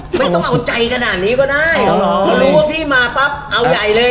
ไม่ต้องเอาใจขนาดนี้ก็ได้พอรู้ว่าพี่มาปั๊บเอาใหญ่เลย